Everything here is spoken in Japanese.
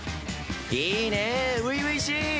いいねぇ初々しい。